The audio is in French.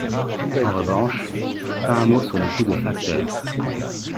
En revanche, pas un mot sur les coûts de facteurs.